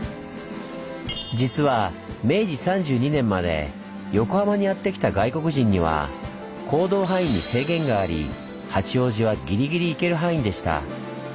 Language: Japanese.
実は明治３２年まで横浜にやって来た外国人には行動範囲に制限があり八王子はギリギリ行ける範囲でした。